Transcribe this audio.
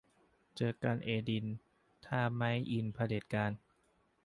เจอกันเอดินถ้าไม่อินเผด็จการ